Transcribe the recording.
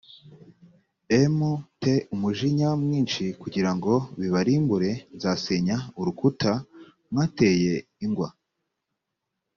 m te umujinya mwinshi kugira ngo bibarimbure nzasenya urukuta mwateye ingwa